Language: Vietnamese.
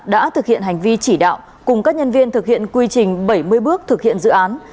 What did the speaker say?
đã thực hiện hành vi chỉ đạo cùng các nhân viên thực hiện quy trình bảy mươi bước thực hiện dự án